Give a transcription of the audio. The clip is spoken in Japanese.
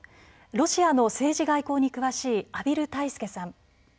ロシアの政治・外交に詳しい畔蒜泰助さん